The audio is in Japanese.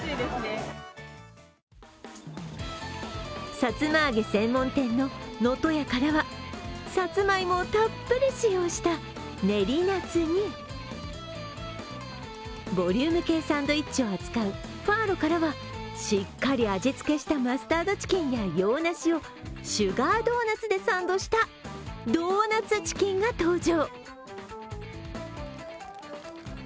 さつま揚げ専門店の能登屋からはさつまいもをたっぷり使用したねりナツに、ボリューム系サンドイッチを扱うＦＡＲＯからはしっかり味付けしたマスタードチキンや洋梨をシュガードーナツでサンドしたドーナツチキンが登場。